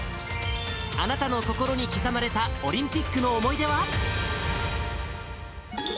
あなたの心に刻まれたオリンピックの思い出は？